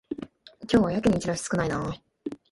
今日はやけにチラシ少ないな